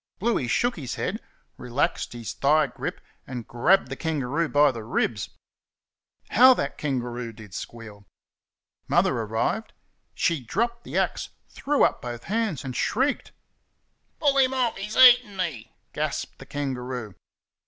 Bluey shook his head, relaxed his thigh grip, and grabbed the kangaroo by the ribs. How that kangaroo did squeal! Mother arrived. She dropped the axe, threw up both hands, and shrieked. "Pull him off! he's eating me!" gasped the kangaroo.